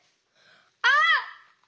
あっ！